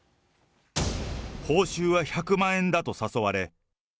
報酬は１００万円だと誘われ。